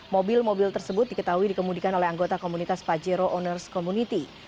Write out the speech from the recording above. mobil mobil tersebut diketahui dikemudikan oleh anggota komunitas pajero owners community